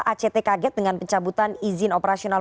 act kaget dengan pencabutan izin operasional